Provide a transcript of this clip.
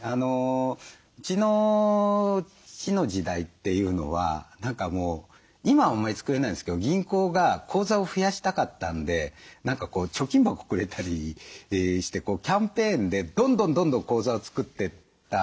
うちの父の時代っていうのは何かもう今はあんまり作れないんですけど銀行が口座を増やしたかったんで何か貯金箱くれたりしてキャンペーンでどんどんどんどん口座を作ってった時代なんですね。